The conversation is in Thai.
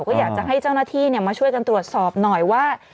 ก็อยากจะให้เจ้าหน้าที่มาช่วยกันตรวจสอบหน่อยว่า